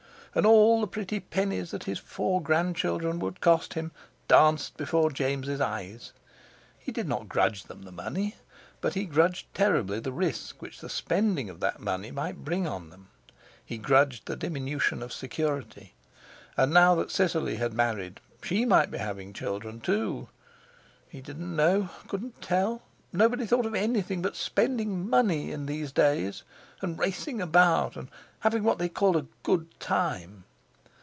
And all the pretty pennies that his four grandchildren would cost him danced before James' eyes. He did not grudge them the money, but he grudged terribly the risk which the spending of that money might bring on them; he grudged the diminution of security. And now that Cicely had married, she might be having children too. He didn't know—couldn't tell! Nobody thought of anything but spending money in these days, and racing about, and having what they called "a good time."